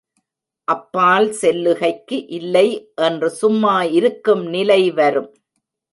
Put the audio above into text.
அப்பால் சொல்லுகைக்கு இல்லை என்று சும்மா இருக்கும் நிலை வரும்.